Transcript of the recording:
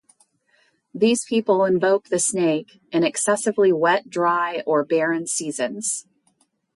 These people invoke the snake in excessively wet dry or barren seasons.